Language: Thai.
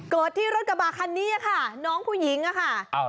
เกิดที่รถกระบะคันนี้ค่ะน้องผู้หญิงอะค่ะ